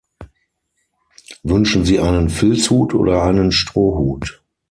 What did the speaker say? Wünschen Sie einen Filzhut oder einen Strohhut?